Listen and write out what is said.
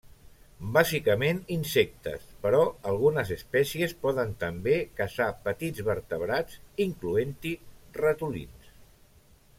Bàsicament insectes, però algunes espècies poden també caçar petits vertebrats, incloent-hi ratolins.